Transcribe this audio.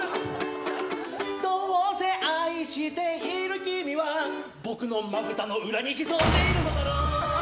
どうせ愛している君は僕のまぶたの裏に潜んでいるのだろう。